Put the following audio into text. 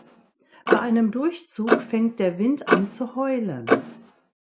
Bei einem Durchzug fängt der Wind an zu heulen.